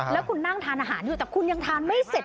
แล้วคุณนั่งทานอาหารอยู่แต่คุณยังทานไม่เสร็จ